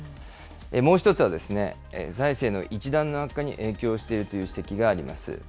もう１つは、財政の一段の悪化に影響しているという指摘があります。